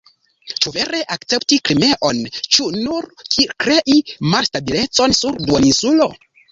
Ĉu vere akcepti Krimeon, ĉu nur krei malstabilecon sur la duoninsulo.